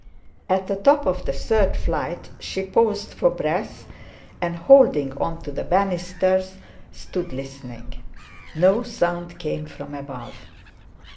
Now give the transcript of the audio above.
At the top of the third flight she paused for breath, and holding on to the bannisters, stood listening. No sound came from above.